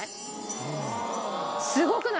すごくない？